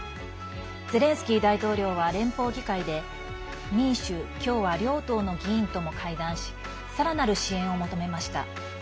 ゼレンスキー大統領は連邦議会で民主・共和両党の議員とも会談しさらなる支援を求めました。